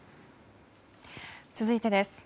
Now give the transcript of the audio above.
続いてです。